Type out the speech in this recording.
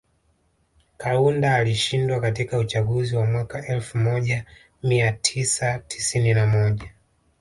Kaunda alishindwa katika uchaguzi wa mwaka elfu moja mia tisa tisini na moja